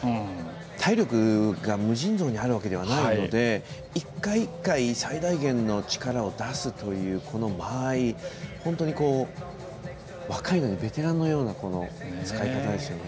体力が無尽蔵にあるわけではないので一回一回最大限の力を出すというこの間合い、本当に若いのにベテランのような使い方ですよね。